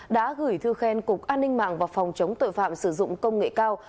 đã gửi thư khen cục an ninh mạng và phòng chống tội phạm sử dụng công nghệ cao